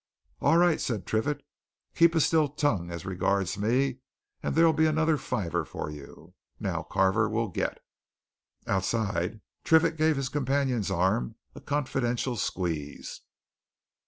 "All right," said Triffitt, "keep a still tongue as regards me, and there'll be another fiver for you. Now, Carver, we'll get." Outside Triffitt gave his companion's arm a confidential squeeze.